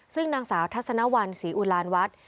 ซึ่งหน้าสาวทสนวรรค์ศรีอุราณวัฒน์